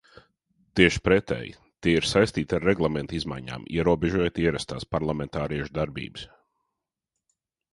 Tieši pretēji, tie ir saistīti ar Reglamenta izmaiņām, ierobežojot ierastās parlamentāriešu darbības.